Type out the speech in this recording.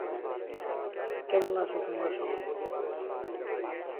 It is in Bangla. পরবর্তীতে পাকিস্তান সরকার পূর্ববঙ্গের নাম পরিবর্তন করে পূর্ব পাকিস্তান রাখে।